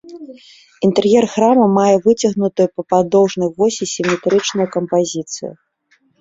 Інтэр'ер храма мае выцягнутую па падоўжнай восі сіметрычную кампазіцыю.